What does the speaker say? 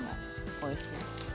おいしい！